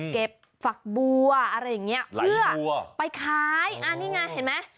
ฝักบัวอะไรอย่างเงี้ยเพื่อไปขายอันนี้ไงเห็นไหม